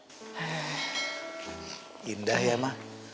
eh indah ya ma